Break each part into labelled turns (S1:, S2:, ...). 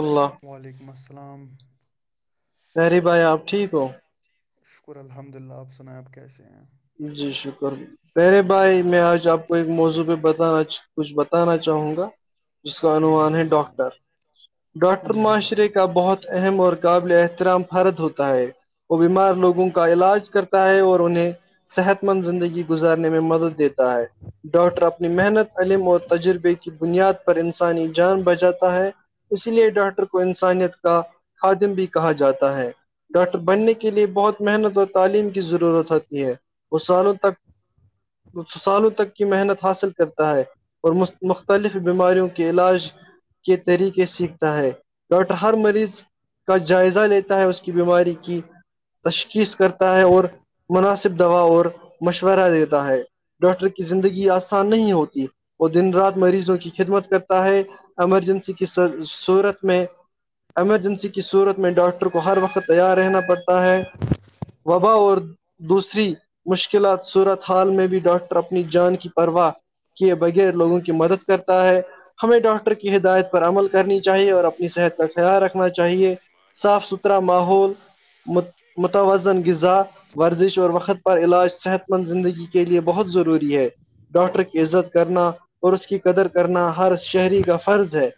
S1: اللہ
S2: وعلیکم السلام
S1: یریے بھائی آپ ٹھیک ہو
S2: شکر الحمد للہ آپ سنیں آپ کیسے ہیں
S1: جی شکر اہرے بھائی میں آج آپ کو ایک موضوع بتانا کچھ بتانا چاہوں گا جس کا
S2: جی جی
S1: عوومان ہے
S2: فرمائیے
S1: ڈاکٹر ڈاکٹر
S2: جی جی
S1: معاشرے
S2: فرمائیے
S1: کا بہت اہم اور قابل احترام فرد ہوتا ہے وہ بیمار لوگوں کا علاج کرتا ہے اور انہیں صحت مند زندگی گزارنے میں مدد دیتا ہے ڈاکٹر اپنی محنت علم اور تجربے کی بنیاد پر انسانی جان بچاتا ہے اس لیے ڈاکٹر کو انسانیت کا خادم بھی کہا جاتا ہے ڈاکٹر بننے کے لیے بہت محنت اور تعلیم کی ضرورت ہوتی ہے وہ سالوں تک کچ سالوں تک کی محنت حاصل کرتا ہے اور مختلف بیماریوں کے علاج کے طریقے سیکھتا ہے ڈاکٹر ہر مریض کا جائزہ لیتا ہے اس کی بیماری کی تشخیص کرتا ہے اور مناسب دوا اور مشورہ دیتا ہے ڈاکٹر کی زندگی آسان نہیں ہوتی وہ دن رات مریضوں کی خدمت کرتا ہے ایمرجنسی کی صورت میں ایمرجنسی کی صورت میں ڈاکٹر کو ہر وقت تیار رہنا پڑتا ہے وبا اور دوسری مشکلات صورت حال میں بھی ڈاکٹر اپنی جان کی پرواہ کیے بغیر لوگوں کی مدد کرتا ہے ہمیں ڈاکٹر کی ہدایت پر عمل کرنی چاہیے اور اپنی صحت کا خیال رکھنا چاہیے صاف ستھرا ماحولت متوازن غذا ورزش اور وقت پر علاج صحت مند زندگی کے لیے بہت ضروری ہے ڈاکٹر کی عزت کرنا اور اس کی قدر کرنا ہر شہری کا فرض ہے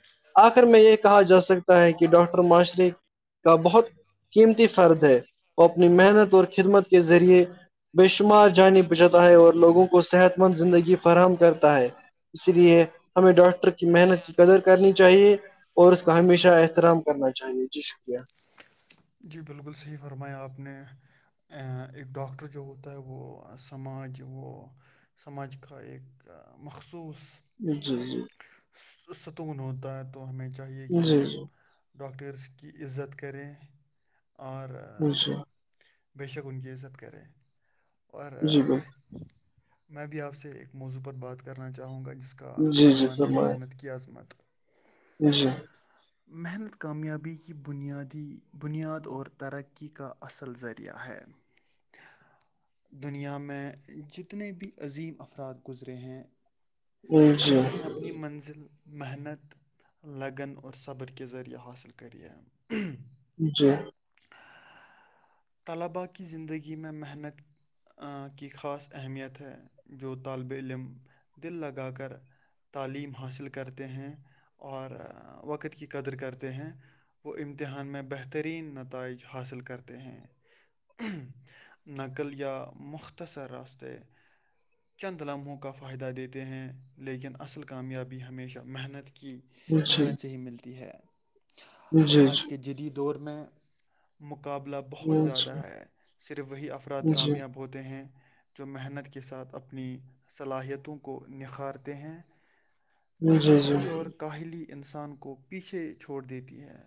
S1: آخر میں یہ کہا جا سکتا ہے کہ ڈاکٹر معاشرے کا کا بہت قیمتی فرد ہے وہ اپنی محنت اور خدمت سے کے ذریعے بے شمار جانے بچا تھا جاتا ہے اور لوگوں کو صحت مند زندگی فراہم کرتا ہے اس لیے ہمیں ڈاکٹر کے کی محنت کی قدر کرنی چاہیے اور اس کا ہمیشہ احترام کرنا چاہیے جی شکریہ
S2: جی بالکل صحیح فرمایا آپ نے اہ، ایک ڈاکٹر جو ہوتا ہے وہ سماج وہ سماجھ کا ایک مخصوص
S1: جی جی
S2: ستون ہوتا ہے تو ہمیں چاہیے کہ
S1: جی
S2: ہم
S1: جی
S2: ڈاکٹرس کی عزت کریں اور اہ،
S1: اچھا
S2: بے شک ان کی عزت کرے اور
S1: جی بالکل
S2: میں بھی آپ سے ایک موضوع پر بات کرنا چاہوں گا جس کا
S1: جی جی
S2: عنوان ہے
S1: فرمائیں
S2: محنت کی عظمت
S1: جی
S2: محنت کامیابی کی بنیادی بنیاد اور ترقی کا اصل ذریعہ ہے دنیا میں جتنے بھی عظیم افراد گزرے ہیں
S1: جی جی
S2: انہوں نے اپنی منزل محنت لگن اور صبر کےہ ذریعہ حاصل کرے ہم
S1: جی
S2: طلباء کی زندگی میں محنت کی خاص اہمیت ہے جو طالب علم دل لگا کر تعلیم حاصل کرتے ہیں اور وقت کی قدر کرتے ہیں وہ امتحان میں بہترین نتائج حاصل کرتے ہیں نقل یا مختصر راستتے چند لمحوں کا فائدہ دیتے ہیں لیکن اصل کامیابی ہمیشہ محنت کی
S1: جی
S2: محنت سے ہی ملتی ہے
S1: جی جی جی
S2: آج کے جدید دور میں مقابلہ
S1: جی
S2: بہت زیادہ ہے صرف وہی افراد
S1: جی جی جی
S2: کامیاب ہوتے ہیں جو محنت کے ساتھ اپنی صلاحیتوں کو نکھارتے ہیں
S1: جی جی جی جی
S2: سستی اور کاہلی انسان کو پیچھے چھوڑ دیتی ہے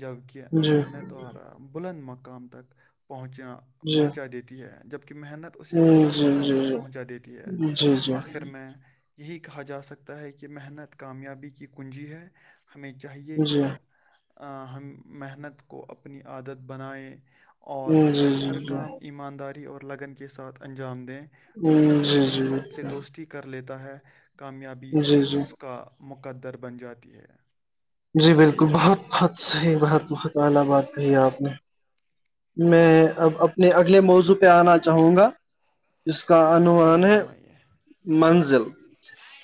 S2: جبک کہ محنت اور بلند مقام تک پہنچنا پہنچا دیتی ہے جبکہ محنت اسے بلند مقام تک پہنچا دیتی ہے آخر میں یہی کہا جا سکتا ہے کہ محنت کامیابی کی کنجی ہے ہمیں چاہیے کہ ہم محنت کو اپنی عادت بنائیں اور
S1: جی جی
S2: ہر
S1: جی
S2: کاہ ایمانداری اور لگن کے ساتھ انجام دیں جو
S1: جی
S2: شخص
S1: جی
S2: محنت سے
S1: بالکل
S2: دوستی کے کر لیتا ہے کامیابی
S1: جی جی
S2: اس کا مقدر بن جاتی ہے
S1: ح جی بالکل بہت بہت صحیح بہت بہت اعلی بات کہی اپ نے میں اب اپنے اگلے موضوع پہ آنا چاہوں گا اس کا
S2: جی جی
S1: انووان ہے
S2: فرمائیے
S1: منزل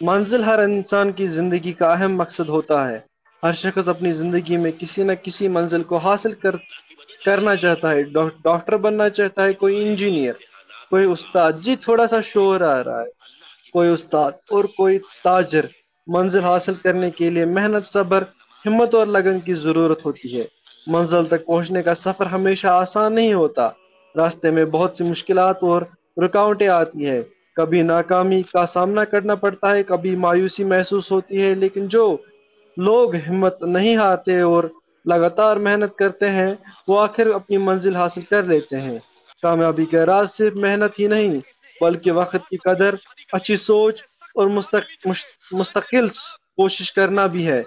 S1: منزل ہر انسان کی زندگی کا اہم مقصد ہوتا ہے ہر شخص اپنی زندگی میں کسی نہ کسی منزل کو حاصل کرتے کرنا چاہتا ہے ڈاکٹر بننا چاہتا ہے کوئی انجینئر کوئی استاد جی تھوڑا سا شوور آ رہا ہے کوئی استاد اور کوئی تاجر منزل حاصل کرنے کے لئے محنت صبر ہمت اور لگن کی ضرورت ہوتی ہے منزل تک
S2: کرنے والوں کے ساتھ ہیں
S1: ا نہیں ہوتا راستے میں بہت سی مشکلات اور رکاوٹیں آتی ہیں کبھی نہ اکامی کا سامنا کرنا پڑتا ہے کبھی مایوسی محسوس ہوتی ہے لیکن جو لوگ ہمت نہیں ہارتے اور لگاتار محنت کرتے ہیں وہ آخر منزل حاصل کر لیتے ہیں کامیابی کے راز صرف محنت ہی نہیں بلکہ وقت کی قدر اچھی سوچ اور مست مستقل کوشش کرنا بھی ہے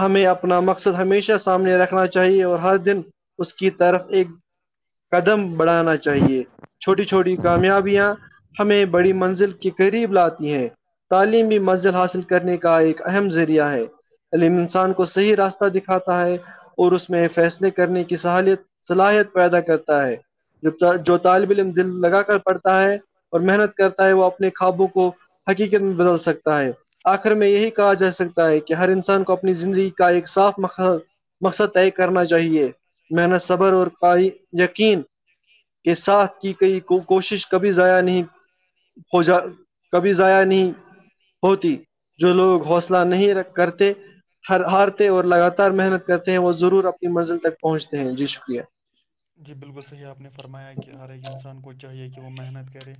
S1: ہمیں اپنا مقصد ہمیشہ سامنے رکھنا چاہیے چاہیے اور ہر دن اس کی طرف ایک قدم بڑھانا چاہیے چھوٹی چھوٹی کامیابیاں ہمیں بڑی منزل کے قریب لاتی ہیں تعلیمی منزل حاصل کرنے کا ایک اہم ذریعہ ہے عم انسان کو صحیح راستہ دکھاتا ہے اور اس میں فیصلے کرنے کی صہالیت صلاحیت پیدا کرتا ہے جو طالب علم دل لگا کر پڑھتا ہے اور محنت کرتا ہے وہ اپنے خوابوں کو حقیقت میں بدل سکتا ہے آخر میں یہی کہا جا سکتا ہے کہ ہر انسان کو اپنی زندگی کا ایک صاف مق مقصد طے کرنا چاہیے محنت صبر اور یقین کے ساتھ کی گئی کوشش کبھی ضائع نہیں ہو جا کبھی جضاائیا نہیں ہوتی جو لوگ حوصلہ نہیں رکھ کرتے ہ ہارتے اور لگاتار محنت کرتے ہیں وہ ضرور اپنی منزل تک پہنچتے ہیں جی شکریہ
S2: جی بالکل صحیح آپ نے فرمایا کہ ہر ایک انسان کو چاہیے کہ وہ محنت کرے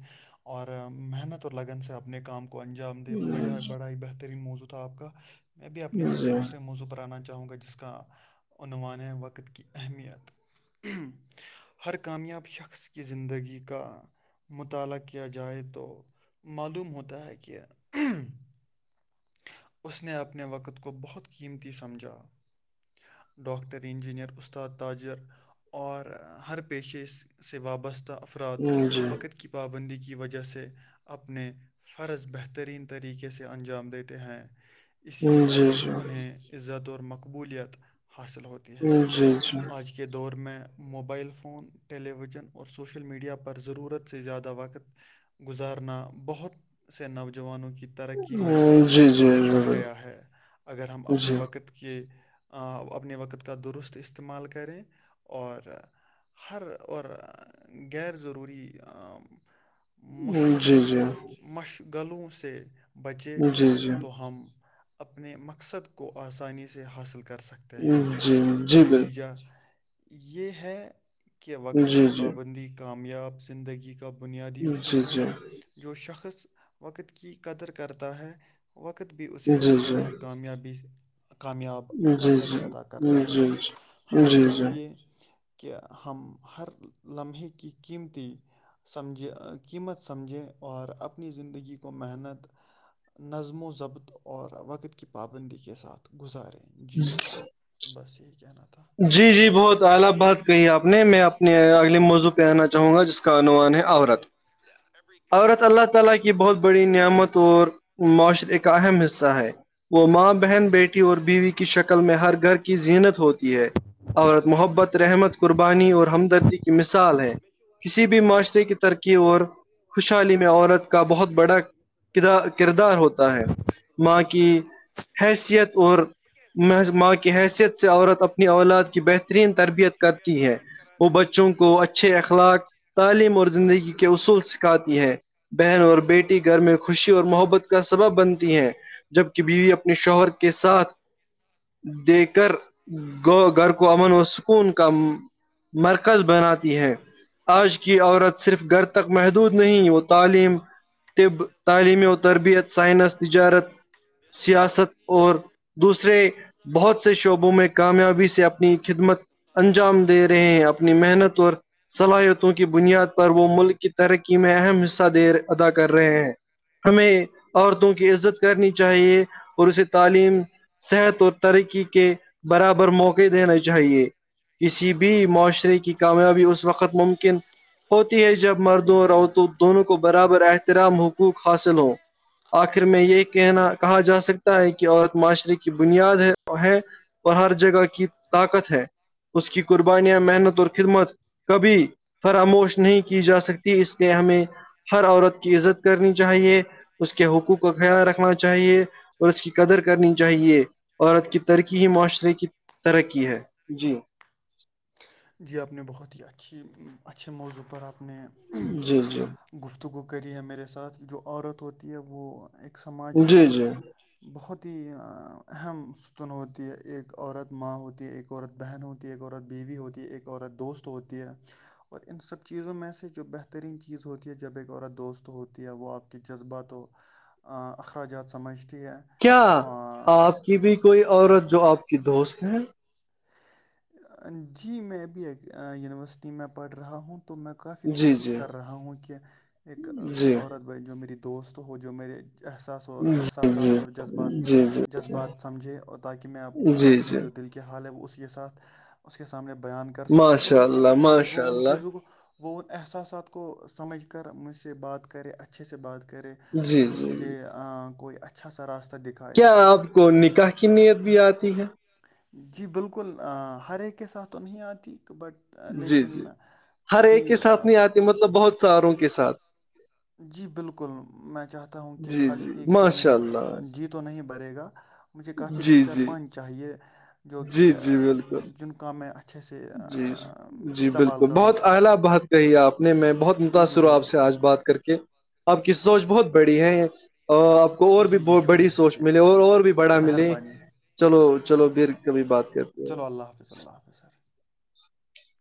S2: اور محنت اور لگن سے اپنے کام کو کو انجام دے
S1: جی
S2: بڑ بڑا ہی بہترین موضوع تھا آپ کا میں بھی اپنے
S1: جی
S2: دوسرے موضوع پراننا چاہوں گا جس کا عنوان ہے وقت کی اہمیت ہر کامیاب شخص کی زندگی کا مطالعہ کیا جائے تو معلوم ہوتا ہے کہ اس نے اپنے وقت کو بہت قیمتی سمجھا ڈاکٹر انجینر استاد تاجر اور ہر پیشے سے وابستہ افراد
S1: جی جی
S2: وقت کی پابندی کی وجہ سے اپنے فرض بہترین طریقے سے انجام دیتے ہیں
S1: جی
S2: اسی
S1: جی جی
S2: سبب انہیں عزت اور مقبولیت حاصل ہوتی ہے
S1: جی جی
S2: آج کی کے دور میں موبائل فون ٹیلی ویژن اور سوشل میڈیا پر ضرورت سے زیادہ وقت گزارنا بہت سے نوجوانوں کی ترقی میں
S1: جی جی
S2: رکاوٹ بن گیا ہے اگر ہم اپنے وقت وقت کے اپنے وقت کا درست استعمال کریں اور ہر اور غیرضروری
S1: جی جی
S2: مشغلوں سے بچے
S1: جی جی
S2: تو ہم اپنے مقصد کو آسانی سے حاصل کر سکتے ہیں ہیں
S1: جی جی بل
S2: نتیجہ یہ ہے کہ وقت
S1: جی
S2: کی
S1: جی جی
S2: پابندی کامیاب زندگی کا بنیادی
S1: جی جی
S2: اصول ہے جو شخص وقت کی قدر کرتا ہے وقت بھی اسے
S1: جی جی جی
S2: عزت اور کامیابی سے کامیاب کامیابی ادا کرتا ہے
S1: جی
S2: ہمیں
S1: جی جی
S2: چاہیے کہ ہم ہر لمحے کی قیمتی سمجھے قیمت سمجھیں اور اپنی زندگی کو محنت نظم و ضبط اور وقت کی پابندی کے ساتھ گزاریں جی بس یہی کہ ن تھا
S1: جی جی بہت اعلی بات کہی آپ نے میں اپنے موضوع پہ آنا چاہوں گا جس کا عنوان ہے عورت عورت اللہ تعالی کی بہت بڑی نعمت تو معاشر ایک اہم حصہ ہے وہ ماں بہن بیٹی اور بیوی کی شکل میں ہر گھر کی زینت ہوتی ہے عورت محبت رحمت قربانی اور ہمدردی کی مثال ہے کسی بھی معاشرے کی ترقی اور خوشحالی میں عورت کا بہت بڑا کردار ہوتا ہے ماں کی حیثیت اور ماں کی حیثیت سے عورت اپنی اولاد کی بہترین تربیت کرتی ہے وہ بڑ بچوں کو اچھے اخلاق تعلیم اور زندگی اصول سکھاتی ہیں بہن اور بیٹی گھر میں خوشی اور محبت کا سبب بنتی ہیں جبک بیوی اپنے شوہر کے ساتھ دیکے کر گھر کو امن وہ سکون کا مرکز بناتی ہے آج کی عورت صرف گھر تک محدود نہیں وہ تعلیم
S2: کہ
S1: طب
S2: جب میں ج
S1: تعلیمی
S2: سے
S1: و
S2: آگے بڑھ
S1: تربیت
S2: گیا
S1: سائنس
S2: تھا
S1: تجارت
S2: میں پیاری
S1: سیاست
S2: زندگی
S1: اور
S2: بے
S1: دوسرے بہت سے شعبوں میں کامیابی سے اپنی خدمت انجام دے رہے ہیں اپنی محنت اور صلاحیتوں کی بنیاد پر وہ ملک کی ترقی میں اہم حصہ دے ادا کر رہے ہیں ہمیں عورتوں کی عزت کرنی چاہیے اور اسے تعلیم صحت اور ترقی کے برابر موقع دنے چاہیے کسی بھی معاشرے کی کامیابی اس وقت ممکن ہوتی ہے جب مردوں اور عورتوں دونوں کو برابر احترام حقوق حاصل ہوں آخر میں یہ کہنا دینا کہا جا سکتا ہے کہ عورت معاشرے کی بنیاد ہے ہے اور ہر جگہ کی طاقت ہے اس کی قربانیاں محنت اور خدمت کبھی فراموش نہیں کی جا سکتی اس کے ہمیں ہر عورت کی عزت کرنی چاہیے اس کے حقوق کا خیال رکھنا چاہیے اور اس کی قدر کرنی چاہیے عورت کی ترقی ہی معاشرے کی ترقی ہے جی
S2: جی آپ نے بہت ہی اچھی اچھے موضوع پر اپپ نے
S1: جی جی
S2: گفتگو کری ہے میرے ساتھ جو عورت ہوتی ہے وہ ایک سماج کا
S1: جی جی
S2: بہت ہی اہم ستون ہوتی ہے ایک عورت ماں ہوتی ہے ایک ایک عورت بہن ہوتی ہے ایک عورت بیوی ہوتی ہے ایک عورت دوست ہوتی ہے اور ان سب چیزوں میں سے جو بہترین چیز ہوتی ہے جب ایک عورت دوست ہوتی ہے وہ آپ کی جذبات و اخراجات سمجھتی ہے
S1: کیا
S2: آ،
S1: آپ کی بھی کوئی عورت جو آپ کی دوست ہے
S2: جی میں ابھی ایک یونیورسٹی میں پڑھ رہا ہوں تو میں کافی
S1: جی
S2: کوشش
S1: جی
S2: کر رہا ہوں کہ ایک کوئی
S1: جی
S2: عورت جو میری دوست ہو جو میرے احساس و
S1: جی جی
S2: احساسات اور جذبات
S1: جی جی
S2: جذبات
S1: جی
S2: سمجھے اور تاکہ میں
S1: جی
S2: اپنے
S1: جی
S2: جو دل کی حال ہے وہ اس کے ساتھ اس کے سامنے بیان کر سکوں اور
S1: ماشاء اللہ ماشاء
S2: وہ ان
S1: اللہ
S2: چیزوں کو وہ ان احساسات کو سمجھ کر مجھ سے بات کرے اچھے سے بات کرے
S1: جی جی
S2: مجھے کوئی اچھا سا راستہ دکھائے
S1: کیا آپ کو
S2: تو
S1: نکاح کی نیت بھی آتی ہے
S2: جی بالکل ہر ایک کے ساتھ تو نہیں آتی بٹ
S1: جی جی
S2: لیکن
S1: ہر
S2: کبھی
S1: ایک کے ساتھ نہیں آتی مطلب بہت ساروں کے ساتھ
S2: جی بالکل میں چاہتا ہوں کہ
S1: جی
S2: خالی
S1: جی
S2: ایک سے
S1: ماشاء
S2: میرا
S1: اللہ
S2: جی تو نہیں برے گا مجھے کافی دو
S1: جی
S2: چار
S1: جی
S2: پانچ چاہیے جو کہ
S1: جی جی بالکل
S2: جن کا میں اچھ
S1: جی جی جی بالکل بہت
S2: کروں گا
S1: الا بات کہی آپ نے میں بہت
S2: جی جی
S1: متاثر ہوں آپ
S2: بالکل
S1: سے آج بات
S2: بالکل
S1: کر کے آپ کی سوچ بہت بڑی ہے اور آپ کو اور بھی
S2: جی جی
S1: بڑی
S2: شکریہ
S1: سوچ
S2: شکریہ
S1: ملے اور اور بھی بڑا ملے
S2: مہربانی
S1: چلو چلو بھر کبھی بات کرتے ہیں
S2: چلو اللہ حافظ اللہ حافظ
S1: [inaudible]